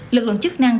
lực lượng chức năng cần